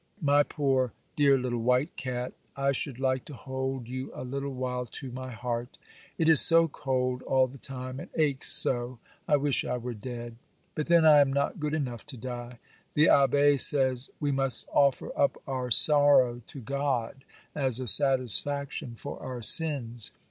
My poor dear little white cat, I should like to hold you a little while to my heart,—it is so cold all the time, and aches so, I wish I were dead; but then I am not good enough to die. The Abbé says, we must offer up our sorrow to God, as a satisfaction for our sins.